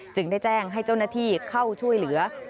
ได้แจ้งให้เจ้าหน้าที่เข้าช่วยเหลือ